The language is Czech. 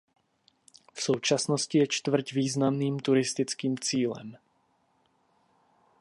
V současnosti je čtvrť významným turistickým cílem.